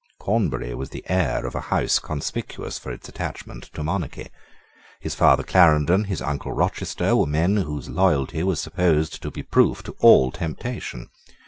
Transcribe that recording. Cornbury was the heir of a house conspicuous for its attachment to monarchy. His father Clarendon, his uncle Rochester, were men whose loyalty was supposed to be proof to all temptation.